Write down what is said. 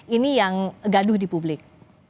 ini yang gaduh di publik